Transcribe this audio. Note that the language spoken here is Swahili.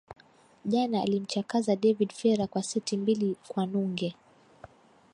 jana alimchakaza david fera kwa seti mbili kwa nunge